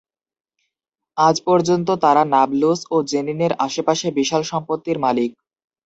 আজ পর্যন্ত তারা নাবলুস ও জেনিনের আশেপাশে বিশাল সম্পত্তির মালিক।